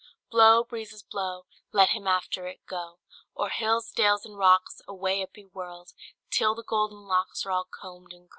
Blow, breezes, blow! Let him after it go! O'er hills, dales, and rocks, Away be it whirl'd, Till the golden locks, Are all comb'd and curl'd!"